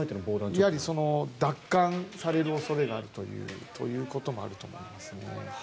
やはり奪還される恐れがあるということもあると思いますね。